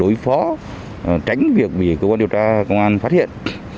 đối phó tránh việc bị cơ quan điều tra công an phát hiện